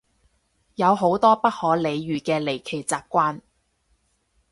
有好多不可理喻嘅離奇習慣